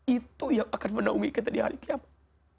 itu yang akan menaungi kita di hari kiamat